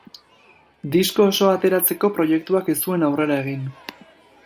Disko osoa ateratzeko proiektuak ez zuen aurrera egin.